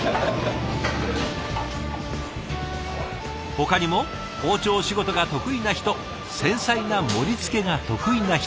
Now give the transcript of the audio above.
ほかにも包丁仕事が得意な人繊細な盛りつけが得意な人。